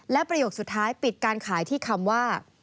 และประโยคสุดท้ายปิดการขายที่คำว่า